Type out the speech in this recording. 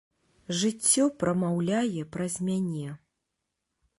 Жыццё прамаўляе праз мяне.